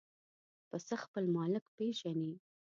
پسه خپل مالک پېژني.